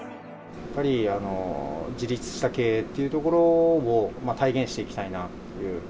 やっぱり自立した経営っていうところを体現していきたいなという。